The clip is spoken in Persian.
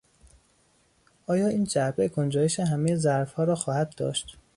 آیا این جعبه گنجایش همهی ظرفها را خواهد داشت؟